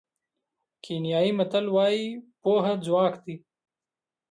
کینیايي متل وایي پوهه ځواک دی.